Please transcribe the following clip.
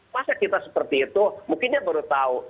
masa kita seperti itu mungkin dia baru tahu